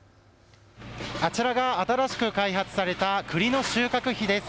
あちらが新しく開発されたくりの収穫機です。